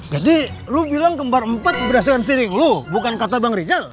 jadi lu bilang kembar empat berdasarkan feeling lu bukan kata bang rizal